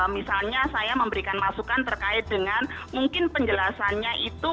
misalnya saya memberikan masukan terkait dengan mungkin penjelasannya itu